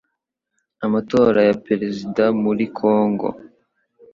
Amatora ya Perezida muri Kongo